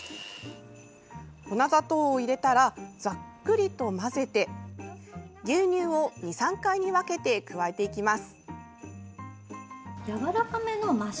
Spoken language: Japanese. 粉砂糖を入れたらざっくりと混ぜて牛乳を２、３回に分けて加えていきます。